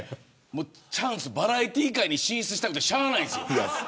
バラエティー界に進出したくてしゃあないんです。